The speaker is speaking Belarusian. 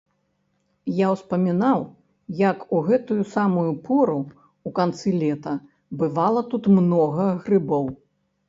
Я ўспамінаў, як у гэтую самую пору, у канцы лета, бывала тут многа грыбоў.